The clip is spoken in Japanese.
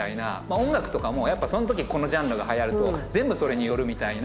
音楽とかもそのときこのジャンルが流行ると全部それに寄るみたいな。